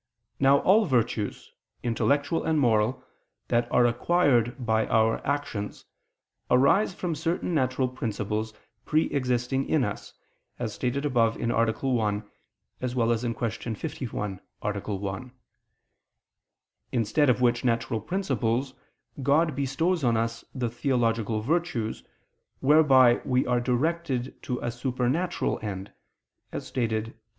Now all virtues, intellectual and moral, that are acquired by our actions, arise from certain natural principles pre existing in us, as above stated (A. 1; Q. 51, A. 1): instead of which natural principles, God bestows on us the theological virtues, whereby we are directed to a supernatural end, as stated (Q.